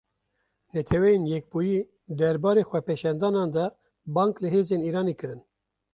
Neteweyên Yekbûyî derbarê xwepêşandanan de bang li hêzên Îranê kir.